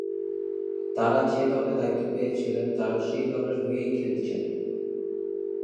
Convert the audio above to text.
তাঁরা যে দলে দায়িত্ব পেয়েছিলেন তাঁরা সেই দলের হয়েই খেলেছেন।